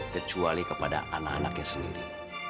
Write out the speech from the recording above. kecuali kepada anak anaknya sendiri